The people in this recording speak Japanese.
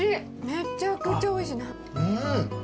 めちゃくちゃおいしい。